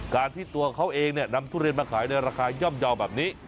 การที่ตัวเขาเองนำทุเรียนมาขายในราคาย่อมเยาว์แบบนี้